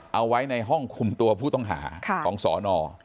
เอาไว้ในห้องคุมตัวผู้ต้องหาของสอนอ